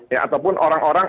ya ataupun orang orang